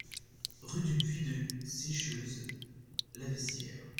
Rue du Puy de Seycheuse, Laveissière